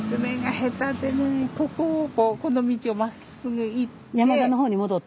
ここをこうこの道をまっすぐ行って。